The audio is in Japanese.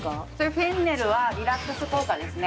フェンネルはリラックス効果ですね。